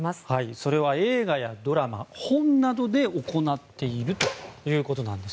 それは映画やドラマ本などで行っているということです。